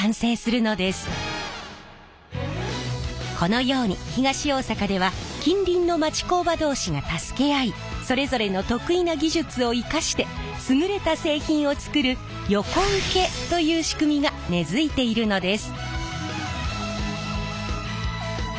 このように東大阪では近隣の町工場同士が助け合いそれぞれの得意な技術を生かして優れた製品を作る横請けという仕組みが根づいているのです。